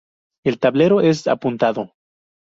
El tablero es apuntado.